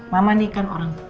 mama nih kan orang tua